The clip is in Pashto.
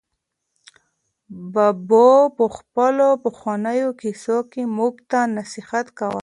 ببو په خپلو پخوانیو کیسو کې موږ ته نصیحت کاوه.